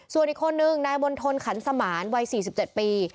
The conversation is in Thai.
ส่วนอีกคนนึงนายมณฑลขันสมานวัย๔๗ปี